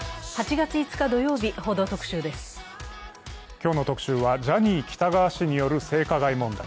今日の「特集」はジャニー喜多川氏による性加害問題。